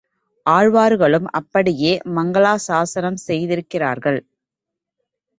ஆழ்வார்களும் அப்படியே மங்களாசாஸனம் செய்திருக் கிறார்கள்.